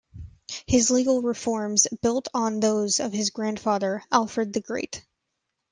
His legal reforms built on those of his grandfather, Alfred the Great.